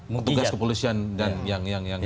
petugas kepolisian yang